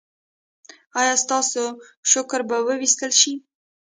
ایا ستاسو شکر به وویستل شي؟